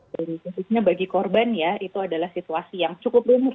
dan khususnya bagi korban ya itu adalah situasi yang cukup rumus